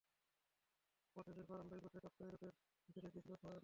কটেজের বারান্দায় বসে কাপ্তাই হ্রদের দৃশ্য দেখে বেশ কিছুক্ষণ সময় কাটানো গেল।